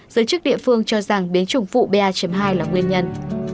giới chức địa phương cho rằng biến chủng phụ ba hai là nguyên nhân